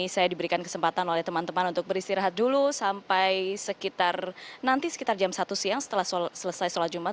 saya diberikan kesempatan oleh teman teman untuk beristirahat dulu sampai sekitar nanti sekitar jam satu siang setelah selesai sholat jumat